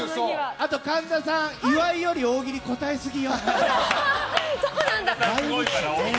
あと神田さん岩井より大喜利答えすぎよ。